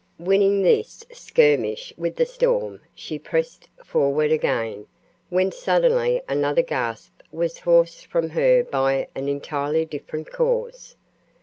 Winning this skirmish with the storm, she pressed forward again, when suddenly another gasp was forced from her by an entirely different cause.